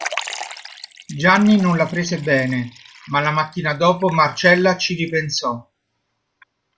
Gianni non la prese bene, ma la mattina dopo Marcella ci ripensò.